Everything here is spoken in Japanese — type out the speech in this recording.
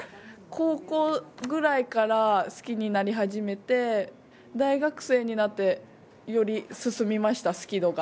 高校ぐらいから好きになり始めて大学生になってより進みました、好き度が。